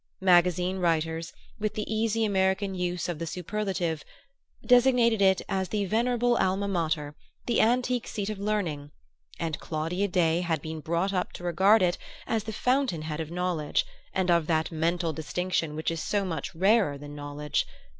Magazine writers, with the easy American use of the superlative, designated it as "the venerable Alma Mater," the "antique seat of learning," and Claudia Day had been brought up to regard it as the fountain head of knowledge, and of that mental distinction which is so much rarer than knowledge.